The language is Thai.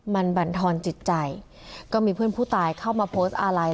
มันบรรทอนจิตใจก็มีเพื่อนผู้ตายเข้ามาโพสต์อาลัย